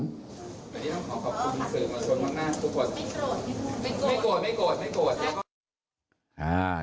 ไม่โกรธไม่โกรธไม่โกรธไม่โกรธ